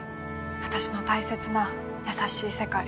私の大切な優しい世界。